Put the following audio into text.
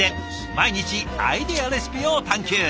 毎日アイデアレシピを探求。